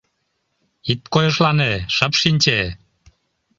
Ит койышлане, шып шинче!